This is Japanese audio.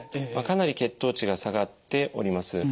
かなり血糖値が下がっております。